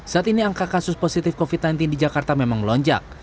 saat ini angka kasus positif covid sembilan belas di jakarta memang melonjak